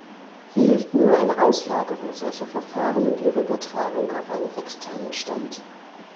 Hier hilft nur eine Auslagerung solcher Verfahren und ihre Übertragung auf einen externen Stand.